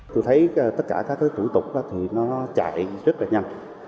tôi thấy tất cả các cái cụ tục thì nó chạy rất là nhanh